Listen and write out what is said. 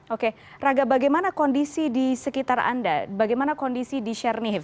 oke raga bagaimana kondisi di sekitar anda bagaimana kondisi di sherni hiv